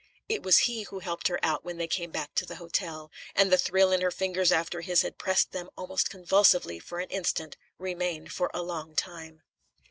It was he who helped her out when they came back to the hotel, and the thrill in her fingers after his had pressed them almost convulsively for an instant remained for a long time.